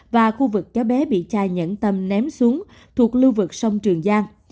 và khu vực cháu bé bị chai nhẫn tâm ném xuống thuộc lưu vực sông trường giang